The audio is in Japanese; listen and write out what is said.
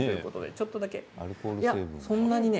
ちょっとだけそんなにね